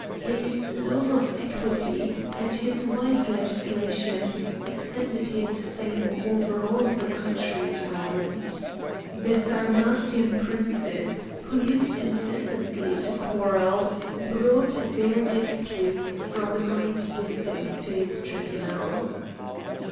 His love of equity and his wise legislation extended his fame over all the countries round. The Sarmatian princes, who used incessantly to quarrel, brought their disputes from a great distance to his tribunal.